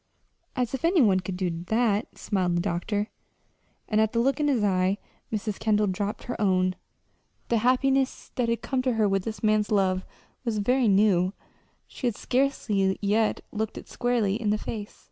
"As if any one could do that!" smiled the doctor; and at the look in his eyes Mrs. Kendall dropped her own the happiness that had come to her with this man's love was very new; she had scarcely yet looked it squarely in the face.